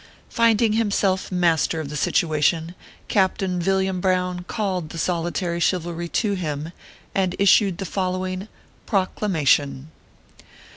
Finding himself master of the situation, Captain Villiam Brown called the solitary Chivalry to him, and issued the following PROCLAMATION.